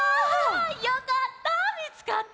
よかったみつかって。